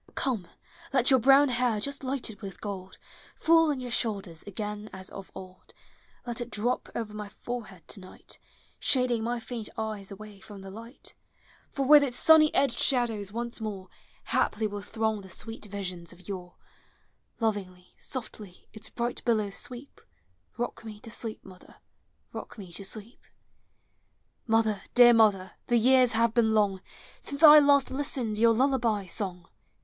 Come, let your brown hair, just lighted with gold, Fall on your shoulders again as of old; Let it drop over my forehead to night, Shading my faint eyes away from the light; For with its sunny edged shadows once more Haply will throng the sweet visions of yore; Lovingly, softly, its bright billows sweep; — Kock me to sleep, mother,— rock me to sleep! Mother, dear mother, the years have been long Since I last listened your lullaby song: 286 P0KA1S OF HOME.